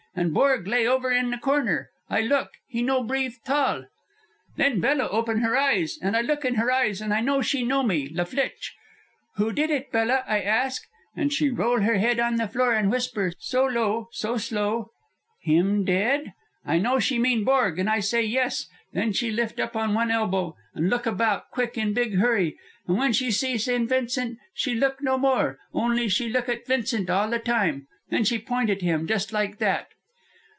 And Borg lay over in the corner. I look. He no breathe 'tall. "Then Bella open her eyes, and I look in her eyes, and I know she know me, La Flitche. 'Who did it, Bella?' I ask. And she roll her head on the floor and whisper, so low, so slow, 'Him dead?' I know she mean Borg, and I say yes. Then she lift up on one elbow, and look about quick, in big hurry, and when she see Vincent she look no more, only she look at Vincent all the time. Then she point at him, just like that."